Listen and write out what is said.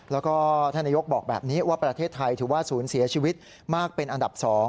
แล้วก็ท่านนายกบอกแบบนี้ว่าประเทศไทยถือว่าศูนย์เสียชีวิตมากเป็นอันดับ๒